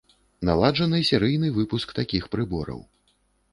Наладжаны серыйны выпуск такіх прыбораў.